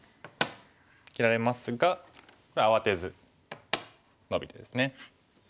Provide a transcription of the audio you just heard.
切られますがこれ慌てずノビてですね。